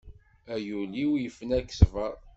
A yul-iw ifna-k ssbeṛ!